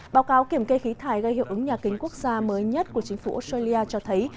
báo cáo kiểm kê khí thải gây hiệu ứng nhà kính quốc gia mới nhất của chính phủ australia cho thấy